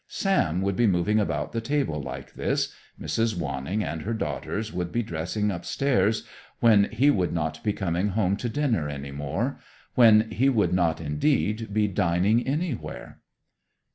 Sam would be moving about the table like this, Mrs. Wanning and her daughters would be dressing upstairs, when he would not be coming home to dinner any more; when he would not, indeed, be dining anywhere.